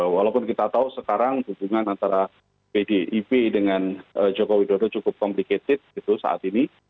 walaupun kita tahu sekarang hubungan antara bdip dengan jokowi dodo cukup komplikated gitu saat ini